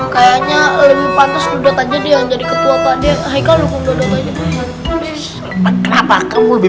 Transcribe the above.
kayaknya lebih pantas dodot aja dia yang jadi ketua paden aikal ngomong dodot aja